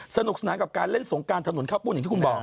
สนุกสนานกับการเล่นสงการถนนข้าวปุ้นอย่างที่คุณบอก